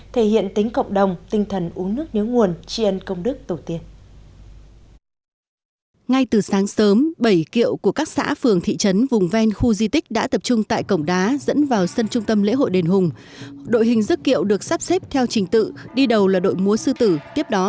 thể hiện tính cộng đồng tinh thần uống nước nhớ nguồn tri ân công đức tổ tiên